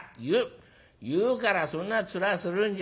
言うからそんな面するんじゃないよ。